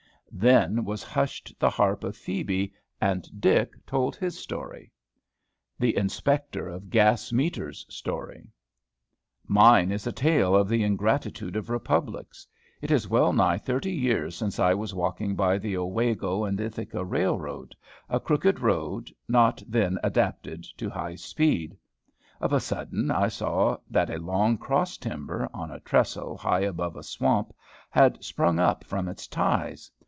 Then was hushed the harp of Phebe, and Dick told his story. THE INSPECTOR OF GAS METERS' STORY. Mine is a tale of the ingratitude of republics. It is well nigh thirty years since I was walking by the Owego and Ithaca Railroad, a crooked road, not then adapted to high speed. Of a sudden I saw that a long cross timber, on a trestle, high above a swamp, had sprung up from its ties.